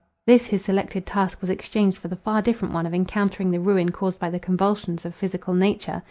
This his selected task was exchanged for the far different one of encountering the ruin caused by the convulsions of physical nature.